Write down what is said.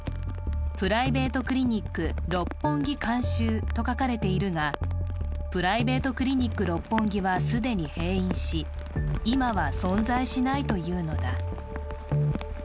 プライベートクリニック六本木監修と書かれているが、プライベートクリニック六本木は既に閉院し、今は存在しないというのだ。